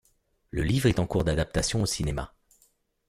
Le livre est en cours d'adaptation au cinéma.